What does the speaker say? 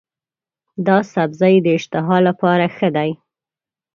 دا سبزی د اشتها لپاره ښه دی.